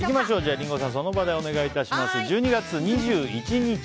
リンゴさん、その場でお願いします。